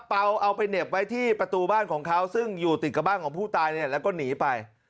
เอาไปเหน็บไว้ที่ประตูบ้านของเขาซึ่งอยู่ติดกับบ้านของผู้ตายเนี่ยแล้วก็หนีไป